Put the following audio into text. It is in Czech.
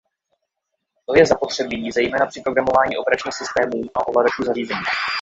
To je zapotřebí zejména při programování operačních systémů a ovladačů zařízení.